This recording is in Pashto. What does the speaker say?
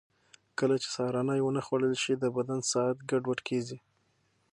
کله چې سهارنۍ ونه خورل شي، د بدن ساعت ګډوډ کېږي.